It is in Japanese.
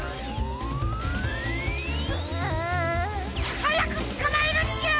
はやくつかまえるんじゃ！